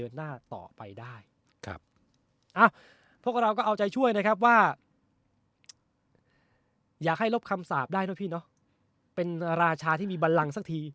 อยากให้ลบคำสาปได้นะพี่เนาะเป็นราชาที่มีบันลังสักที